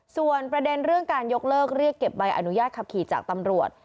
ส่วนประเด็นเรื่องการยกเลิกเรียกเก็บใบอนุญาตขับขี่จากตำรวจ